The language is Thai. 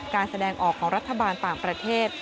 แสดงออกของรัฐบาลต่างประเทศ